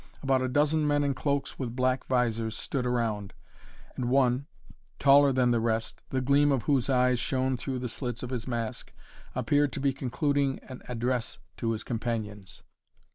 About a dozen men in cloaks with black vizors stood around, and one, taller than the rest, the gleam of whose eyes shone through the slits of his mask, appeared to be concluding an address to his companions.